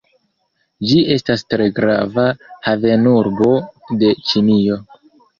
Ĝi estas tre grava havenurbo de Ĉinio.